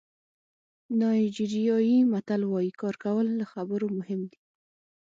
نایجیریايي متل وایي کار کول له خبرو مهم دي.